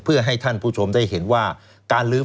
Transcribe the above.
เพื่อให้ท่านผู้ชมได้เห็นว่า